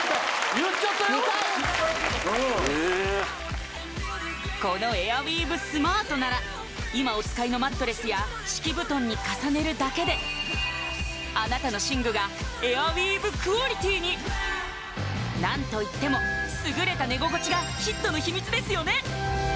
２回このエアウィーヴスマートなら今お使いのマットレスや敷布団に重ねるだけであなたの寝具がエアウィーヴクオリティーに何といっても優れた寝心地がヒットの秘密ですよね